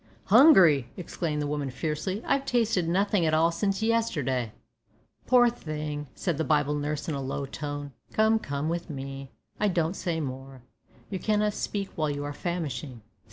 "Hungry!" exclaimed the woman fiercely, "I've tasted nothin' at all since yesterday." "Poor thing!" said the Bible nurse in a low tone; "come come with me. I don't say more. You cannot speak while you are famishing.